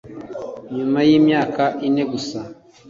nyuma y'imyaka ine gusa